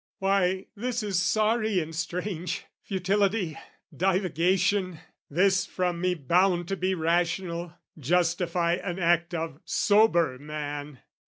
Why, this is sorry and strange! Futility, divagation: this from me Bound to be rational, justify an act Of sober man!